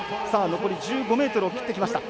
残り１５ｍを切ってきました。